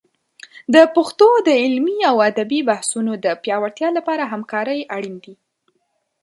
د پښتو د علمي او ادبي بحثونو د پیاوړتیا لپاره همکارۍ اړین دي.